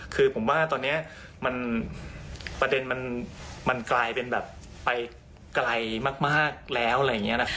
คือผมว่าตอนนี้ประเด็นมันกลายเป็นแบบไปไกลมากแล้วอะไรอย่างนี้นะ